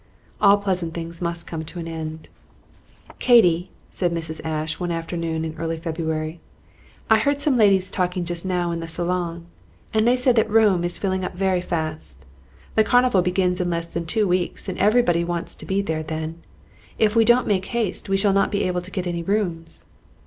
All pleasant things must come to an ending. "Katy," said Mrs. Ashe, one afternoon in early February, "I heard some ladies talking just now in the salon, and they said that Rome is filling up very fast. The Carnival begins in less than two weeks, and everybody wants to be there then. If we don't make haste, we shall not be able to get any rooms."